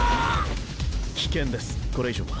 危険ですこれ以上は。